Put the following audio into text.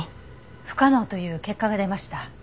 不可能という結果が出ました。